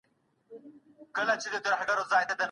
مستري ولي په اوږه باندي ګڼ توکي راوړي وو؟